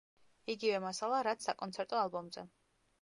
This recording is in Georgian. იგივე მასალა, რაც საკონცერტო ალბომზე.